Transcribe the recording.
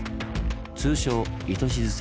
通称「糸静線」。